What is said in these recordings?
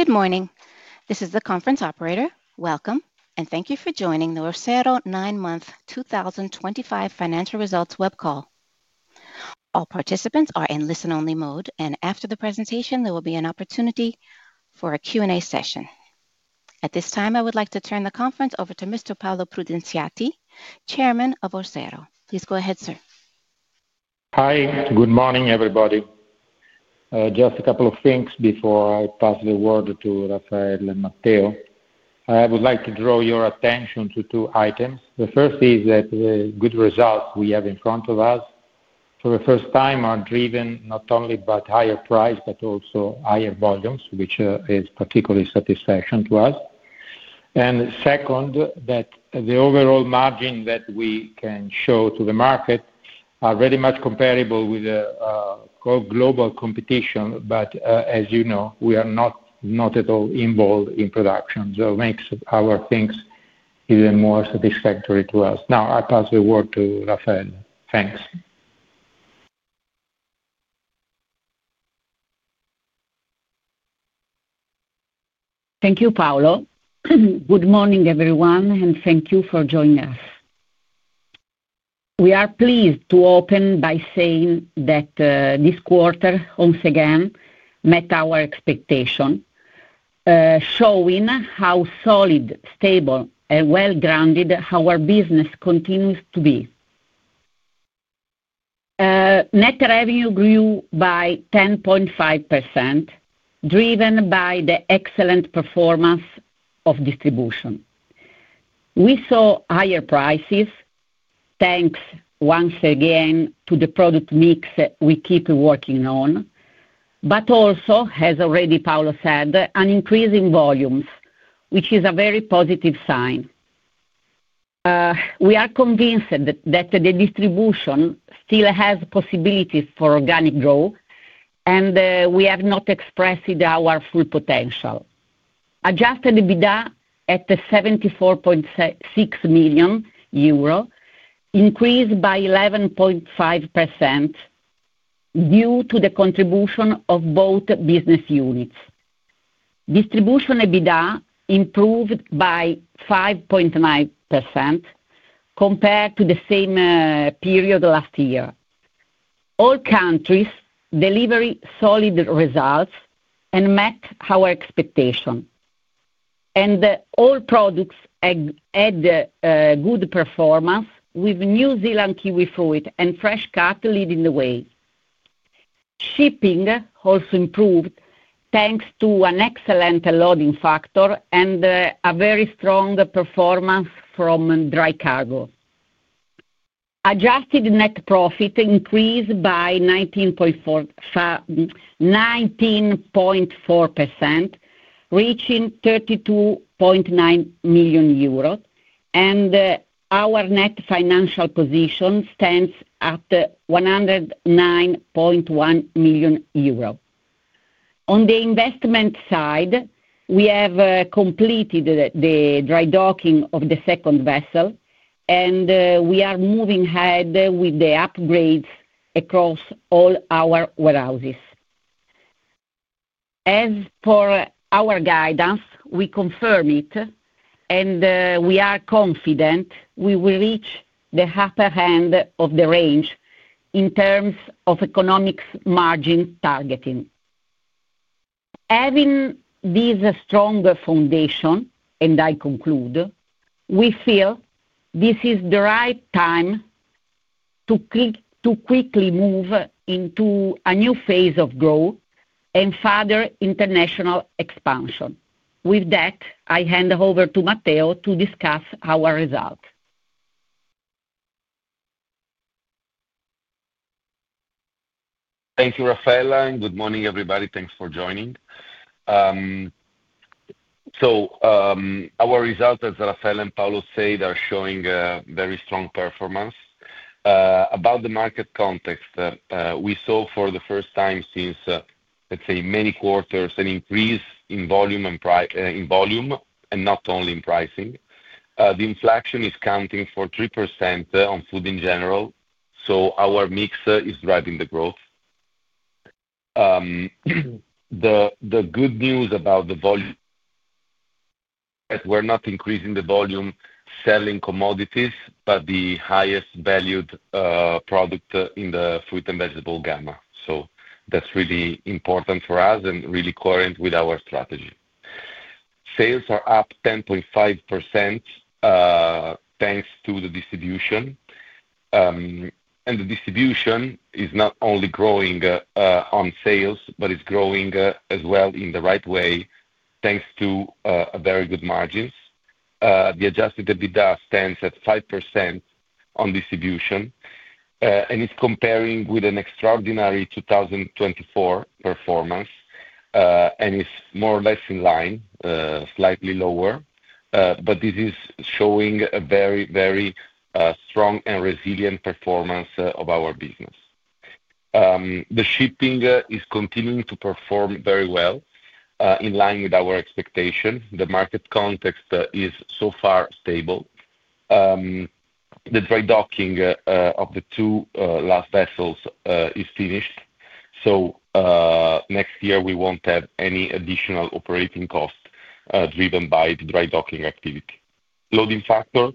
Good morning. This is the conference operator. Welcome, and thank you for joining the Orsero 9 Month 2025 Financial Results Web Call. All participants are in listen-only mode, and after the presentation, there will be an opportunity for a Q&A session. At this time, I would like to turn the conference over to Mr. Paolo Prudenziati, Chairman of Orsero. Please go ahead, sir. Hi. Good morning, everybody. Just a couple of things before I pass the word to Raffaella and Matteo. I would like to draw your attention to two items. The first is that the good results we have in front of us, for the first time, are driven not only by higher price but also higher volumes, which is particularly satisfaction to us. Second, that the overall margin that we can show to the market is very much comparable with global competition, but as you know, we are not at all involved in production, so it makes our things even more satisfactory to us. Now, I pass the word to Raffaella. Thanks. Thank you, Paolo. Good morning, everyone, and thank you for joining us. We are pleased to open by saying that this quarter, once again, met our expectations, showing how solid, stable, and well-grounded our business continues to be. Net revenue grew by 10.5%, driven by the excellent performance of distribution. We saw higher prices, thanks once again to the product mix we keep working on, but also, as already Paolo said, an increase in volumes, which is a very positive sign. We are convinced that the distribution still has possibilities for organic growth, and we have not expressed our full potential. Adjusted EBITDA at 74.6 million euro increased by 11.5% due to the contribution of both business units. Distribution EBITDA improved by 5.9% compared to the same period last year. All countries delivered solid results and met our expectations. All products had good performance, with New Zealand kiwifruit and fresh-cut leading the way. Shipping also improved thanks to an excellent loading factor and a very strong performance from dry cargo. Adjusted net profit increased by 19.4%, reaching 32.9 million euros, and our net financial position stands at 109.1 million euros. On the investment side, we have completed the dry docking of the second vessel, and we are moving ahead with the upgrades across all our warehouses. As for our guidance, we confirm it, and we are confident we will reach the upper end of the range in terms of economic margin targeting. Having this stronger foundation, and I conclude, we feel this is the right time to quickly move into a new phase of growth and further international expansion. With that, I hand over to Matteo to discuss our results. Thank you, Raffaella, and good morning, everybody. Thanks for joining. Our results, as Raffaella and Paolo said, are showing a very strong performance. About the market context, we saw for the first time since, let's say, many quarters, an increase in volume and not only in pricing. The inflation is counting for 3% on food in general, so our mix is driving the growth. The good news about the volume is that we're not increasing the volume selling commodities, but the highest valued product in the fruit and vegetable gamma. That's really important for us and really current with our strategy. Sales are up 10.5% thanks to the distribution, and the distribution is not only growing on sales, but it's growing as well in the right way thanks to very good margins. The adjusted EBITDA stands at 5% on distribution, and it's comparing with an extraordinary 2024 performance, and it's more or less in line, slightly lower, but this is showing a very, very strong and resilient performance of our business. The shipping is continuing to perform very well in line with our expectations. The market context is so far stable. The dry docking of the two last vessels is finished, so next year we won't have any additional operating costs driven by the dry docking activity. Loading factor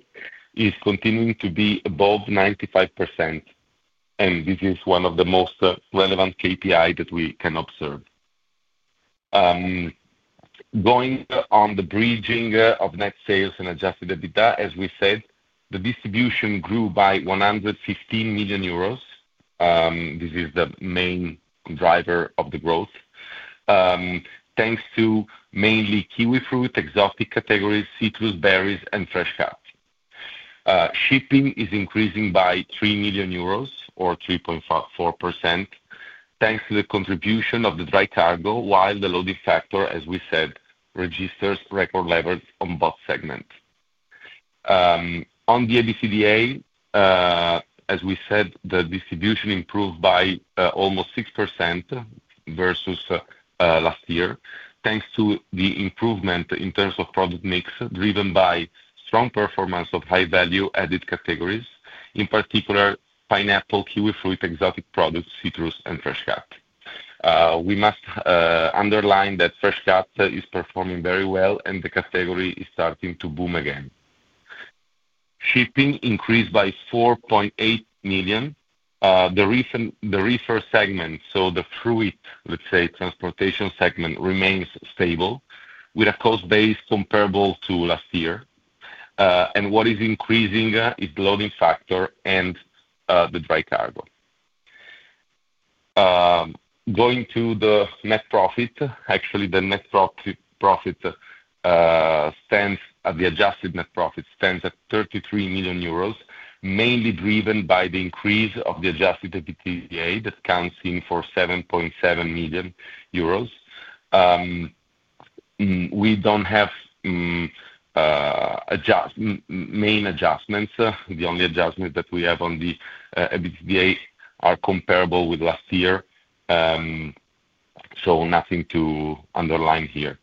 is continuing to be above 95%, and this is one of the most relevant KPIs that we can observe. Going on the bridging of net sales and adjusted EBITDA, as we said, the distribution grew by 115 million euros. This is the main driver of the growth, thanks to mainly kiwifruit, exotic categories, citrus, berries, and fresh cuts. Shipping is increasing by 3 million euros, or 3.4%, thanks to the contribution of the dry cargo, while the loading factor, as we said, registers record levels on both segments. On the ABCDA, as we said, the distribution improved by almost 6% versus last year, thanks to the improvement in terms of product mix driven by strong performance of high-value added categories, in particular, pineapple, kiwifruit, exotic products, citrus, and fresh cuts. We must underline that fresh cuts are performing very well, and the category is starting to boom again. Shipping increased by 4.8 million. The reefer segment, so the fruit, let's say, transportation segment, remains stable with a cost base comparable to last year. What is increasing is the loading factor and the dry cargo. Going to the net profit, actually, the net profit stands at the adjusted net profit stands at 33 million euros, mainly driven by the increase of the adjusted EBITDA that comes in for EUR 7.7 million. We do not have main adjustments. The only adjustments that we have on the EBITDA are comparable with last year, so nothing to underline here.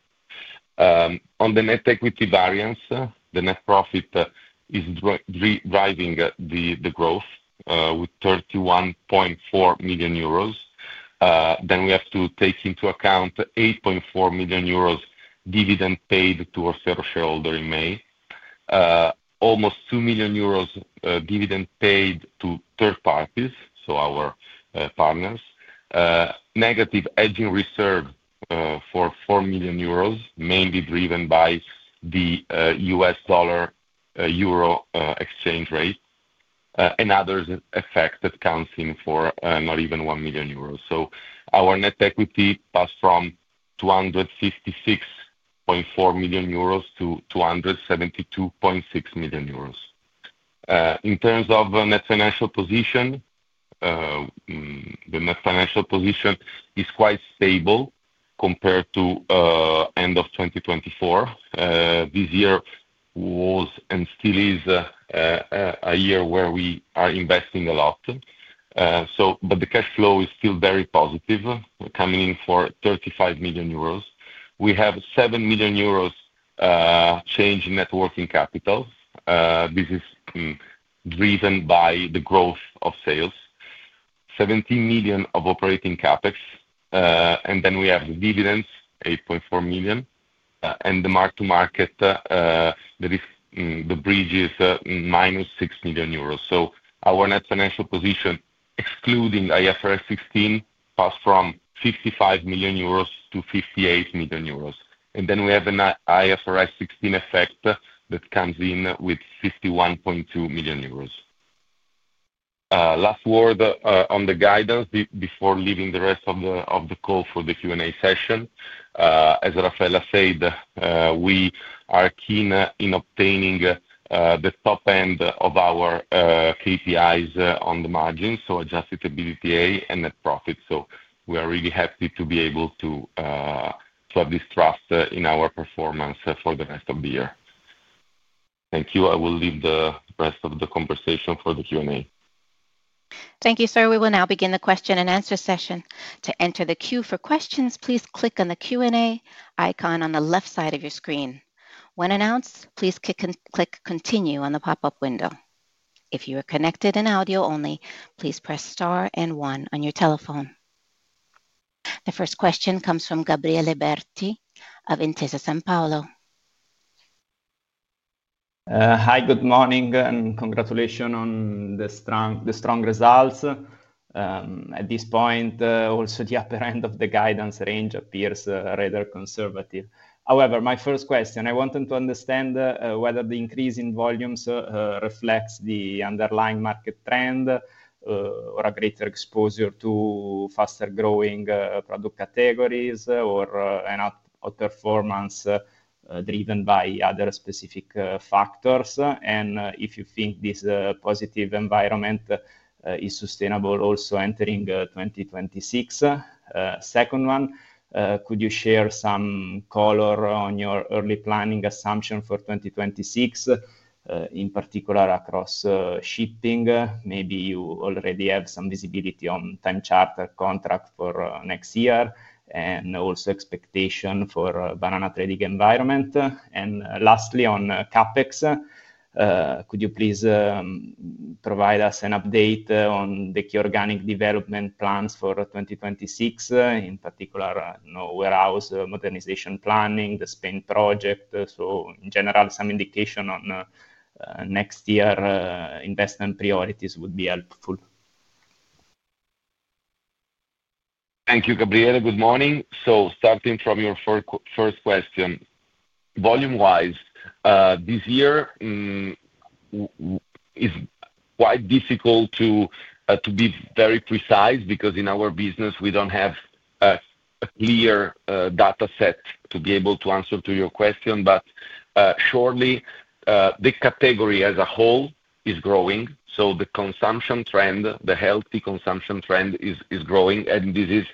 On the net equity variance, the net profit is driving the growth with 31.4 million euros. We have to take into account 8.4 million euros dividend paid to Orsero shareholders in May, almost 2 million euros dividend paid to third parties, so our partners, negative hedging reserve for 4 million euros, mainly driven by the US dollar/euro exchange rate, and other effects that come in for not even 1 million euros. Our net equity passed from 256.4 million euros to 272.6 million euros. In terms of net financial position, the net financial position is quite stable compared to the end of 2024. This year was and still is a year where we are investing a lot, but the cash flow is still very positive, coming in for 35 million euros. We have 7 million euros change in net working capital. This is driven by the growth of sales, 17 million of operating CapEx, and then we have dividends, 8.4 million, and the mark-to-market, the bridges, 6 million euros. Our net financial position, excluding IFRS 16, passed from 55 million euros to 58 million euros. We have an IFRS 16 effect that comes in with 51.2 million euros. Last word on the guidance before leaving the rest of the call for the Q&A session. As Raffaella said, we are keen in obtaining the top end of our KPIs on the margins, so adjusted EBITDA and net profit. We are really happy to be able to have this trust in our performance for the rest of the year. Thank you. I will leave the rest of the conversation for the Q&A. Thank you, sir. We will now begin the Q&A session. To enter the queue for questions, please click on the Q&A icon on the left side of your screen. When announced, please click Continue on the pop-up window. If you are connected and audio only, please press * and one on your telephone. The first question comes from Gabriele Berti of Intesa Sanpaolo. Hi, good morning, and congratulations on the strong results. At this point, also the upper end of the guidance range appears rather conservative. However, my first question, I wanted to understand whether the increase in volumes reflects the underlying market trend or a greater exposure to faster-growing product categories or a performance driven by other specific factors, and if you think this positive environment is sustainable also entering 2026. Second one, could you share some color on your early planning assumption for 2026, in particular across shipping? Maybe you already have some visibility on time charter contract for next year and also expectation for banana trading environment. Lastly, on CapEx, could you please provide us an update on the key organic development plans for 2026, in particular warehouse modernization planning, the Spain project? In general, some indication on next year's investment priorities would be helpful. Thank you, Gabriele. Good morning. Starting from your first question, volume-wise, this year is quite difficult to be very precise because in our business, we do not have a clear data set to be able to answer your question, but surely the category as a whole is growing. The consumption trend, the healthy consumption trend, is growing, and this is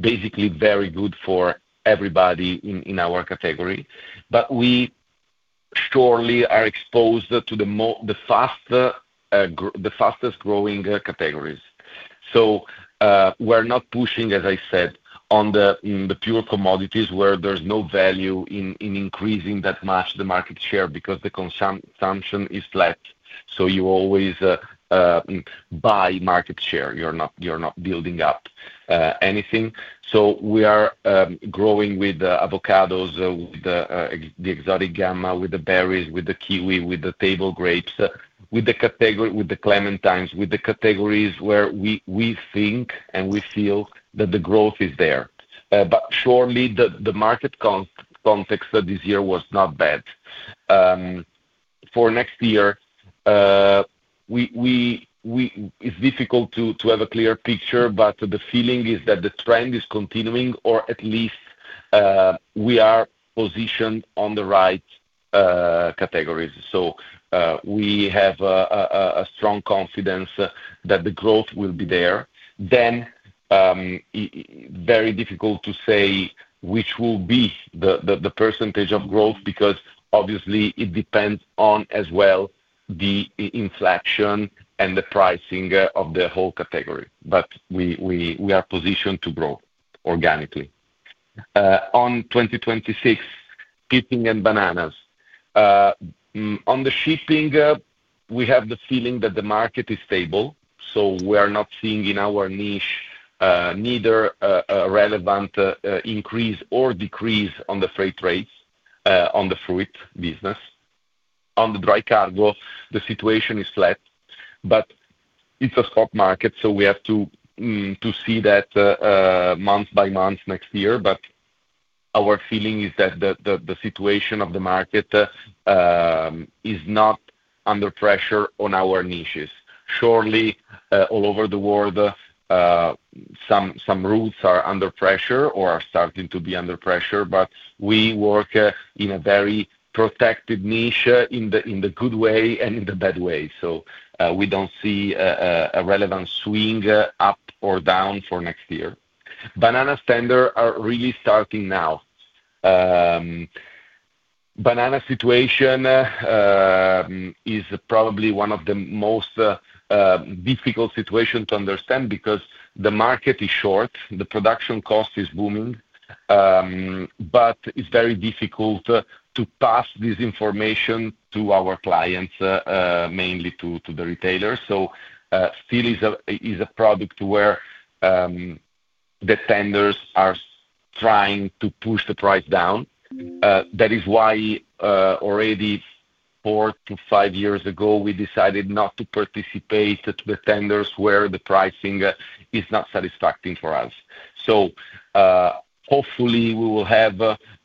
basically very good for everybody in our category. We surely are exposed to the fastest-growing categories. We are not pushing, as I said, on the pure commodities where there is no value in increasing that much the market share because the consumption is flat. You always buy market share. You are not building up anything. We are growing with avocados, with the exotic gamma, with the berries, with the kiwi, with the table grapes, with the clementines, with the categories where we think and we feel that the growth is there. Surely the market context this year was not bad. For next year, it's difficult to have a clear picture, but the feeling is that the trend is continuing, or at least we are positioned on the right categories. We have a strong confidence that the growth will be there. Very difficult to say which will be the percentage of growth because obviously it depends on as well the inflation and the pricing of the whole category. We are positioned to grow organically. On 2026, picking and bananas. On the shipping, we have the feeling that the market is stable, so we are not seeing in our niche neither a relevant increase or decrease on the freight rates on the fruit business. On the dry cargo, the situation is flat, but it's a stock market, so we have to see that month by month next year. Our feeling is that the situation of the market is not under pressure on our niches. Surely all over the world, some routes are under pressure or are starting to be under pressure, but we work in a very protected niche in the good way and in the bad way. We do not see a relevant swing up or down for next year. Banana standards are really starting now. Banana situation is probably one of the most difficult situations to understand because the market is short, the production cost is booming, but it's very difficult to pass this information to our clients, mainly to the retailers. Still, it is a product where the tenders are trying to push the price down. That is why already four to five years ago, we decided not to participate with tenders where the pricing is not satisfactory for us. Hopefully we will have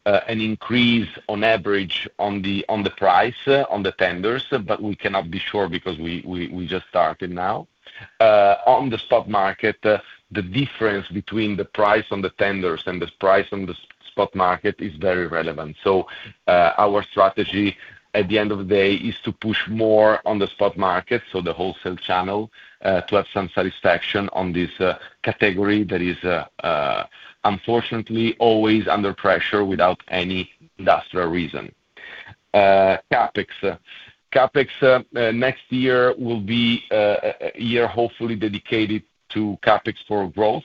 an increase on average on the price on the tenders, but we cannot be sure because we just started now. On the stock market, the difference between the price on the tenders and the price on the spot market is very relevant. Our strategy at the end of the day is to push more on the spot market, so the wholesale channel to have some satisfaction on this category that is unfortunately always under pressure without any industrial reason. Capex. Capex next year will be a year hopefully dedicated to capex for growth.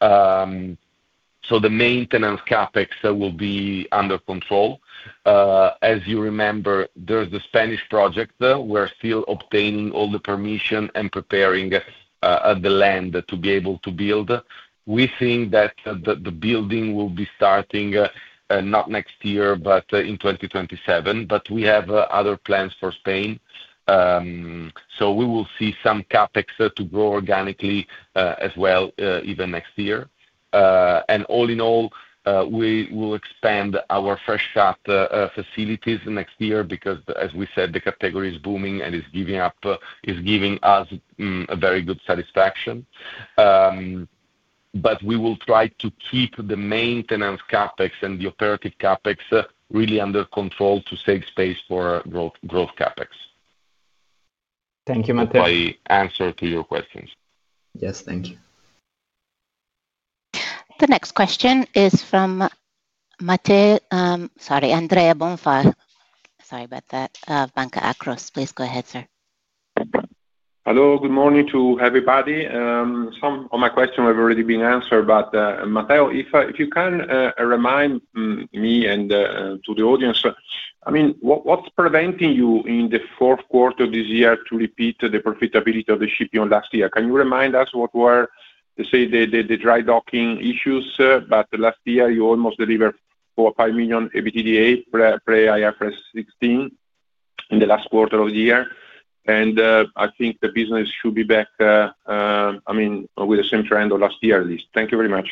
The maintenance capex will be under control. As you remember, there is the Spanish project. We are still obtaining all the permission and preparing the land to be able to build. We think that the building will be starting not next year, but in 2027, but we have other plans for Spain. We will see some capex to grow organically as well even next year. All in all, we will expand our fresh cut facilities next year because, as we said, the category is booming and is giving us a very good satisfaction. We will try to keep the maintenance CapEx and the operative CapEx really under control to save space for growth CapEx. Thank you, Matteo. My answer to your questions. Yes, thank you. The next question is from Matteo—sorry, Andrea Bonfà. Sorry about that. Banca Akros, please go ahead, sir. Hello, good morning to everybody. Some of my questions have already been answered, but Matteo, if you can remind me and to the audience, I mean, what's preventing you in the fourth quarter of this year to repeat the profitability of the shipping last year? Can you remind us what were, let's say, the dry docking issues? Last year, you almost delivered 4.5 million EBITDA pre-IFRS 16 in the last quarter of the year. I think the business should be back, I mean, with the same trend of last year at least. Thank you very much.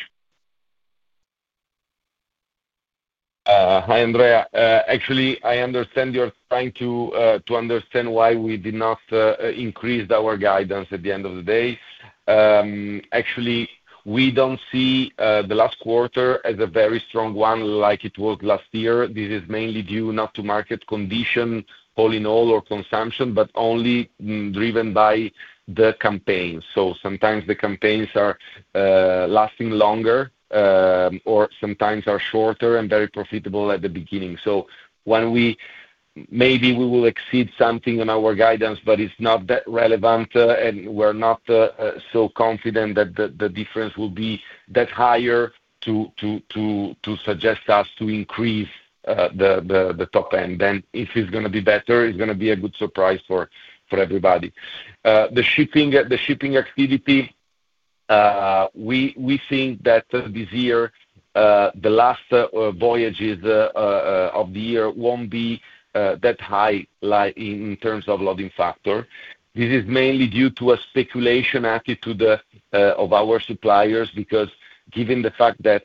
Hi, Andrea. Actually, I understand you're trying to understand why we did not increase our guidance at the end of the day. Actually, we don't see the last quarter as a very strong one like it was last year. This is mainly due not to market condition, all in all, or consumption, but only driven by the campaigns. Sometimes the campaigns are lasting longer or sometimes are shorter and very profitable at the beginning. Maybe we will exceed something on our guidance, but it is not that relevant, and we are not so confident that the difference will be that higher to suggest us to increase the top end. If it is going to be better, it is going to be a good surprise for everybody. The shipping activity, we think that this year the last voyages of the year will not be that high in terms of loading factor. This is mainly due to a speculation attitude of our suppliers because given the fact that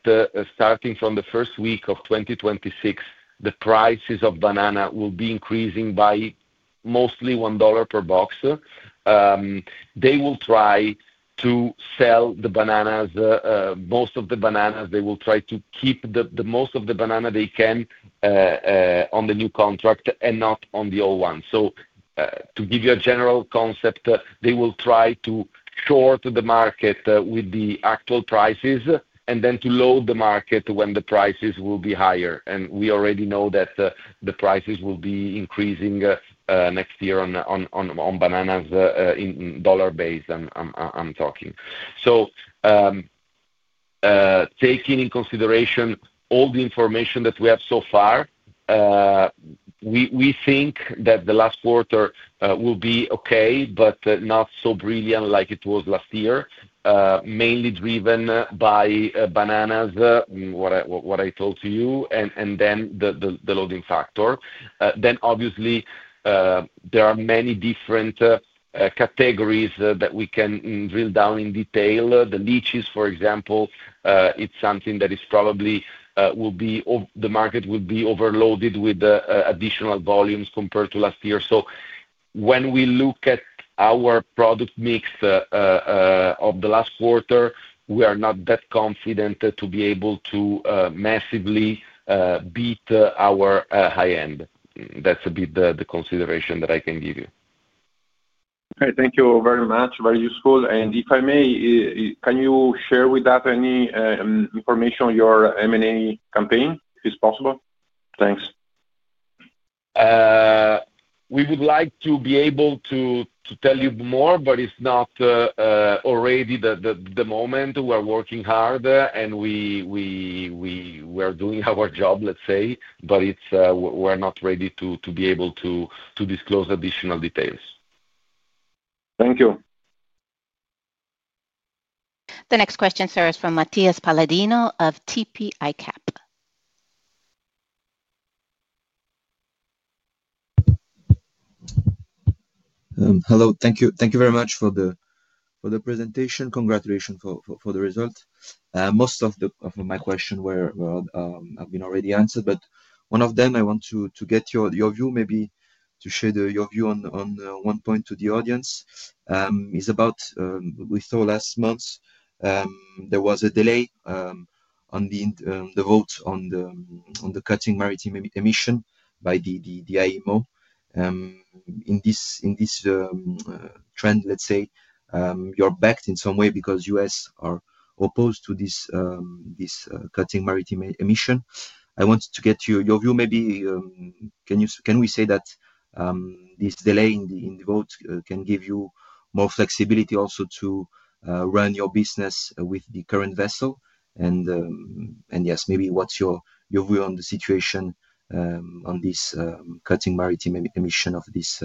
starting from the first week of 2026, the prices of banana will be increasing by mostly $1 per box. They will try to sell the bananas, most of the bananas, they will try to keep the most of the banana they can on the new contract and not on the old one. To give you a general concept, they will try to short the market with the actual prices and then to load the market when the prices will be higher. We already know that the prices will be increasing next year on bananas in dollar base, I'm talking. Taking in consideration all the information that we have so far, we think that the last quarter will be okay, but not so brilliant like it was last year, mainly driven by bananas, what I told to you, and then the loading factor. Obviously, there are many different categories that we can drill down in detail. The lychees, for example, it's something that is probably will be the market will be overloaded with additional volumes compared to last year. When we look at our product mix of the last quarter, we are not that confident to be able to massively beat our high end. That's a bit the consideration that I can give you. Okay, thank you very much. Very useful. If I may, can you share with us any information on your M&A campaign if it's possible? Thanks. We would like to be able to tell you more, but it's not already the moment. We're working hard and we're doing our job, let's say, but we're not ready to be able to disclose additional details. Thank you. The next question, sir, is from Mathias Paladino of TP ICAP. Hello. Thank you very much for the presentation. Congratulations for the result. Most of my questions have been already answered, but one of them, I want to get your view, maybe to share your view on one point to the audience. It's about, we saw last month, there was a delay on the vote on the cutting maritime emission by the IMO. In this trend, let's say, you're backed in some way because the US are opposed to this cutting maritime emission. I want to get your view, maybe can we say that this delay in the vote can give you more flexibility also to run your business with the current vessel? Yes, maybe what's your view on the situation on this cutting maritime emission of this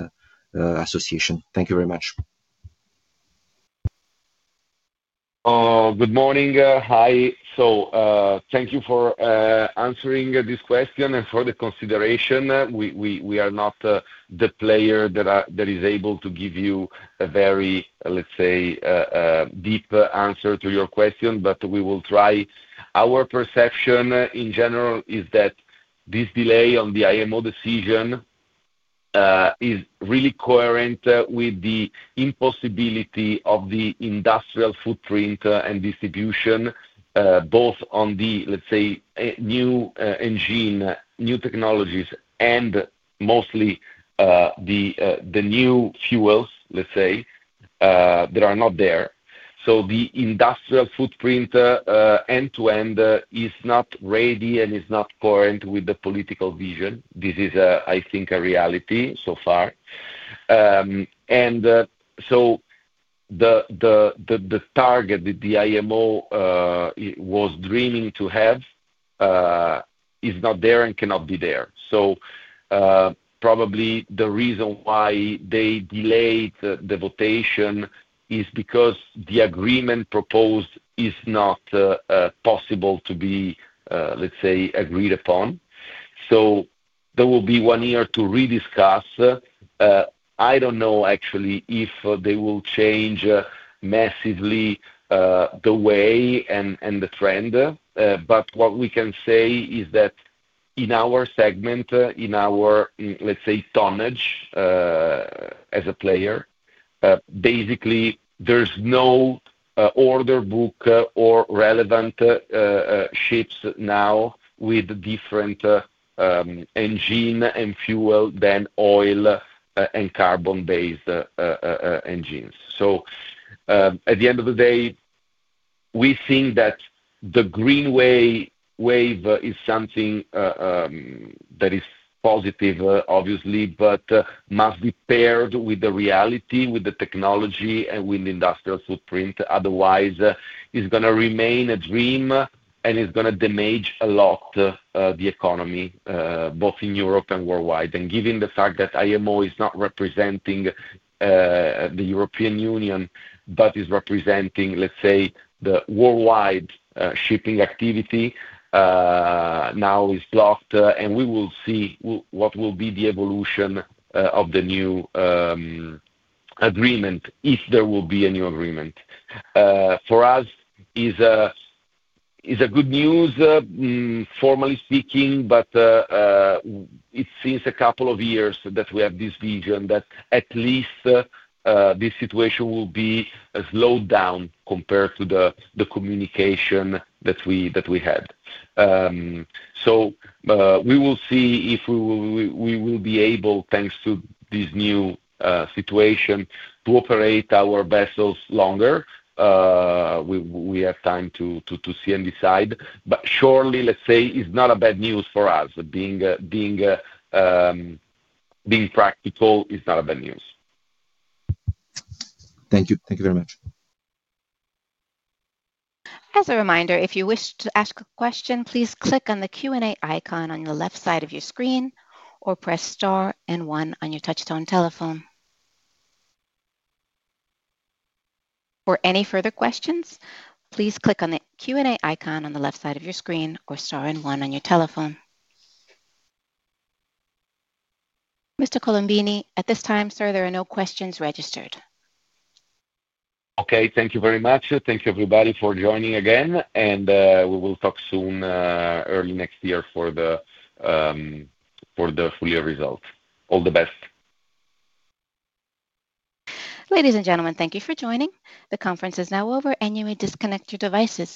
association? Thank you very much. Good morning. Hi. Thank you for answering this question and for the consideration. We are not the player that is able to give you a very, let's say, deep answer to your question, but we will try. Our perception in general is that this delay on the IMO decision is really coherent with the impossibility of the industrial footprint and distribution, both on the, let's say, new engine, new technologies, and mostly the new fuels, let's say, that are not there. The industrial footprint end-to-end is not ready and is not current with the political vision. This is, I think, a reality so far. The target that the IMO was dreaming to have is not there and cannot be there. Probably the reason why they delayed the votation is because the agreement proposed is not possible to be, let's say, agreed upon. There will be one year to rediscuss. I do not know actually if they will change massively the way and the trend, but what we can say is that in our segment, in our, let's say, tonnage as a player, basically there is no order book or relevant ships now with different engine and fuel than oil and carbon-based engines. At the end of the day, we think that the green wave is something that is positive, obviously, but must be paired with the reality, with the technology, and with the industrial footprint. Otherwise, it is going to remain a dream and it is going to damage a lot the economy, both in Europe and worldwide. Given the fact that IMO is not representing the European Union, but is representing, let's say, the worldwide shipping activity, now it is blocked, and we will see what will be the evolution of the new agreement if there will be a new agreement. For us, it's good news, formally speaking, but it seems for a couple of years that we have had this vision that at least this situation will be slowed down compared to the communication that we had. We will see if we will be able, thanks to this new situation, to operate our vessels longer. We have time to see and decide. Surely, let's say, it's not bad news for us. Being practical, it's not bad news. Thank you. Thank you very much. As a reminder, if you wish to ask a question, please click on the Q&A icon on the left side of your screen or press * and one on your touchstone telephone. For any further questions, please click on the Q&A icon on the left side of your screen or * and one on your telephone. Mr. Colombini, at this time, sir, there are no questions registered. Okay, thank you very much. Thank you, everybody, for joining again. We will talk soon, early next year for the full year result. All the best. Ladies and gentlemen, thank you for joining. The conference is now over, and you may disconnect your devices.